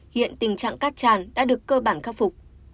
hiện tình trạng cát tràn đã được cơ bản khắc phục